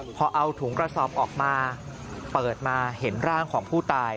พอเอาถุงกระสอบออกมาเปิดมาเห็นร่างของผู้ตาย